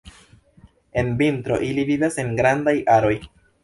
En vintro ili vivas en grandaj aroj.